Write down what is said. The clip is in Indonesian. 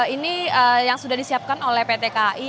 ini yang sudah disiapkan oleh pt kai